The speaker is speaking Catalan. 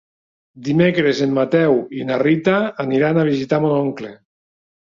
Dimecres en Mateu i na Rita aniran a visitar mon oncle.